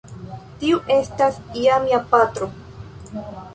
Tiu estas ja mia patro.